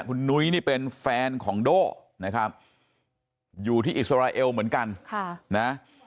คุณนุ้ยนี่เป็นแฟนของโด่นะครับอยู่ที่อิสราเอลเหมือนกันนะ